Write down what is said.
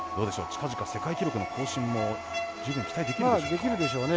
近々、世界記録の更新も十分期待できるでしょうか。